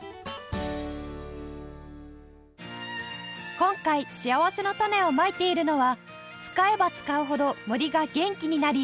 今回しあわせのたねをまいているのは使えば使うほど森が元気なり